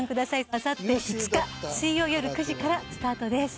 あさって５日水曜よる９時からスタートです。